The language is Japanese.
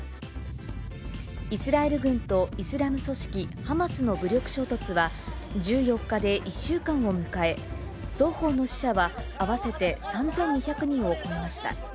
イスラエル軍とイスラム組織ハマスの武力衝突は１４日で１週間を迎え、双方の死者は合わせて３２００人を超えました。